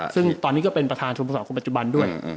ซึ่งตอนนี้ก็เป็นประธานชมพศคนปัจจุบันด้วย